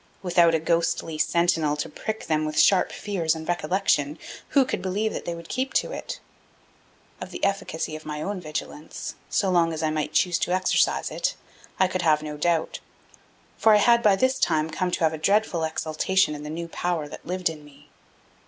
Without a ghostly sentinel to prick them with sharp fears and recollections, who could believe that they would keep to it? Of the efficacy of my own vigilance, so long as I might choose to exercise it, I could have no doubt, for I had by this time come to have a dreadful exultation in the new power that lived in me.